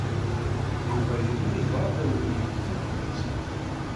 Yuba yella yebɣa ad awen-yeg takunt.